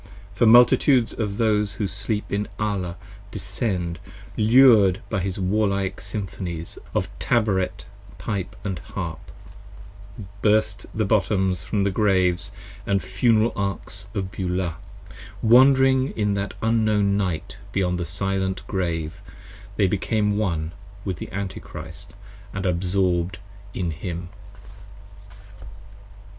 For multitudes of those who sleep in Alia descend, Lured by his warlike symphonies of tabret pipe & harp, 60 Burst the bottoms of the Graves & Funeral Arks of Beulah: Wandering in that unknown Night beyond the silent Grave 62 They became One with the Antichrist & are absorb'd in him.